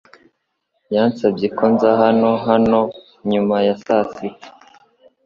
Yansabye ko nza hano hano nyuma ya saa sita.